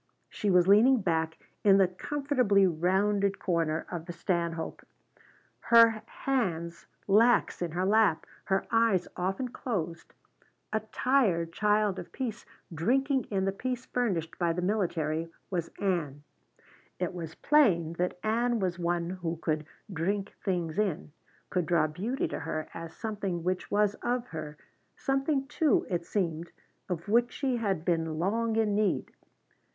She was leaning back in the comfortably rounded corner of the stanhope, her hands lax in her lap, her eyes often closed a tired child of peace drinking in the peace furnished by the military, was Ann. It was plain that Ann was one who could drink things in, could draw beauty to her as something which was of her, something, too, it seemed, of which she had been long in need.